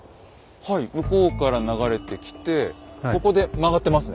はい向こうから流れてきてここで曲がってますね。